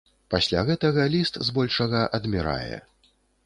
Пасля гэтага ліст збольшага адмірае.